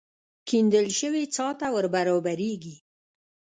کېندل شوې څاه ته ور برابرېږي.